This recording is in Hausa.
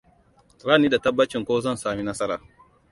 Ba ni da tabbacin ko zan sami nasara.